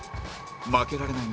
負けられない中